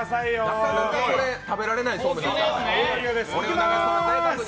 なかなかこれ、食べられないそうめんですから。